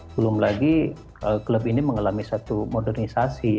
belum lagi klub ini mengalami satu modernisasi